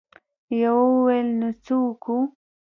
يوه وويل: نو څه وکو؟